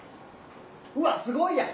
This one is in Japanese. うわっすごいやん。